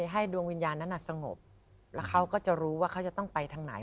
ให้ดวงวิญญาณนั้นสงบแล้วเขาก็จะรู้ว่าเขาจะต้องไปทางไหน